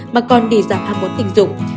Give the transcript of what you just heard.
mà còn để giảm ham muốn tình dục